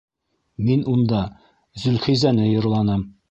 Мин унда «Зөлхизә»не йырланым.